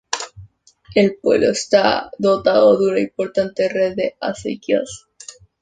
El pueblo está dotado de una importante red de acequias.